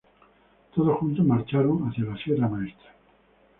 Todos juntos marcharon hacia la Sierra Maestra.